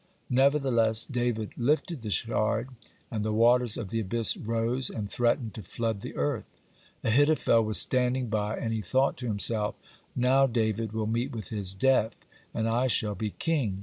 Nevertheless David lifted the shard, and the waters of the abyss rose and threatened to flood the earth. Ahithophel was standing by, and he thought to himself: "Now David will meet with his death, and I shall be king."